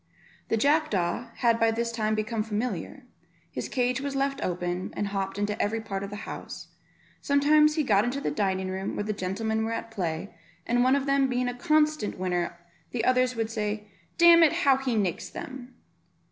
The jackdaw had by this time become familiar; his cage was left open, and he hopped into every part of the house; sometimes he got into the dining room, where the gentlemen were at play, and one of them being a constant winner, the others would say, "Damn it, how he nicks them."